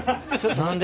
何で？